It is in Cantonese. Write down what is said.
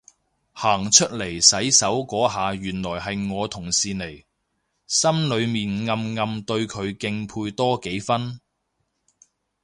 行出嚟洗手嗰下原來係我同事嚟，心裏面暗暗對佢敬佩多幾分